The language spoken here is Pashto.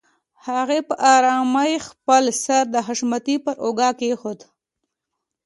هغې په آرامۍ خپل سر د حشمتي پر اوږه کېښوده.